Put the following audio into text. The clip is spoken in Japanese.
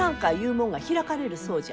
もんが開かれるそうじゃ。